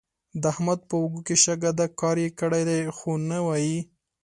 د احمد په اوړو کې شګه ده؛ کار يې کړی دی خو نه وايي.